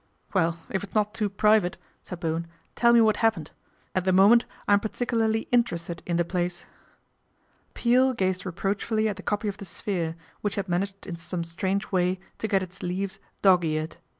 Well, if it's not too private," said Bowen, " tell me what happened. At the moment I'm particularly interested in the place." Peel gazed reproachfully at a copy of The Sphere, which had managed in some strange way to get its leaves dog eared.